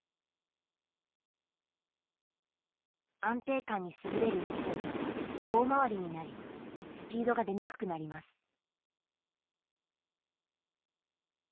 安定感に優れる一方大回りになりスピードが出にくくなります。